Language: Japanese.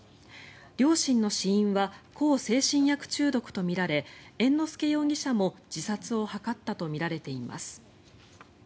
両親の死因は向精神薬中毒とみられ猿之助容疑者も自殺を図ったとみられています。